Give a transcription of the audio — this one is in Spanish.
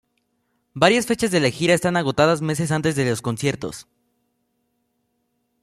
Varias fechas de la gira están agotadas meses antes de los conciertos.